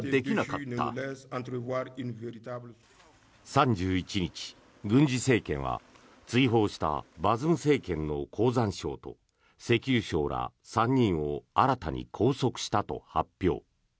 ３１日、軍事政権は追放したバズム政権の鉱山相と石油相ら３人を新たに拘束したと発表。